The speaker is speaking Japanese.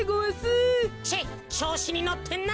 チェッちょうしにのってんなあ。